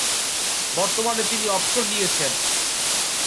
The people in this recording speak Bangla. বর্তমানে তিনি অবসর নিয়েছেন।